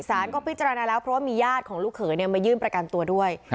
สารก็พิจารณาแล้วเพราะว่ามีญาติของลูกเขยมายื่นประกันตัวด้วย